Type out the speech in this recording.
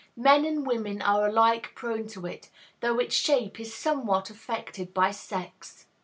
Men and women are alike prone to it, though its shape is somewhat affected by sex.